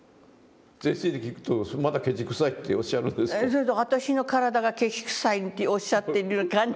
それで私の体がケチくさいとおっしゃってるような感じ。